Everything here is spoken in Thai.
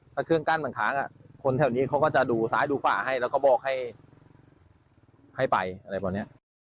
ถ้าเครื่องกั้นมันขางคนแถวนี้เขาก็จะดูซ้ายดูขวาให้แล้วก็บอกให้ไป